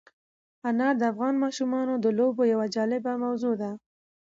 انار د افغان ماشومانو د لوبو یوه جالبه موضوع ده.